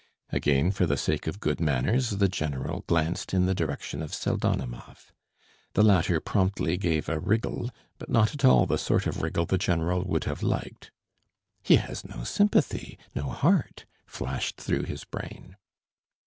Again for the sake of good manners the general glanced in the direction of Pseldonimov. The latter promptly gave a wriggle, but not at all the sort of wriggle the general would have liked. "He has no sympathy, no heart," flashed through his brain.